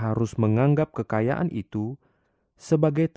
pada engkau juru selamat